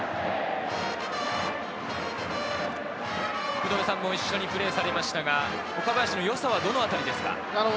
福留さんも一緒にプレーされましたが岡林のよさはどのあたりですか？